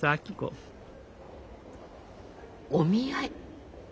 お見合い。